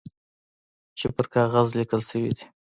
چي پر کاغذ لیکل شوي دي .